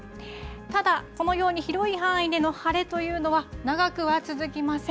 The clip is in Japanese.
ただ、このように広い範囲での晴れというのは、長くは続きません。